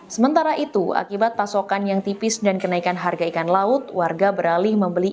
sementara itu akibat pasokan yang tipis dan kenaikan harga ikan laut warga beralih membeli